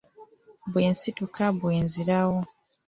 Bwe nsituka bwe nzirawo.